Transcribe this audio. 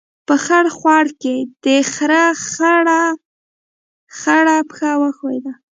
په خړ خوړ کې، د خړ خرهٔ خړه پښه وښیوده.